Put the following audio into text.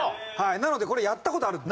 なのでこれやった事あるんで。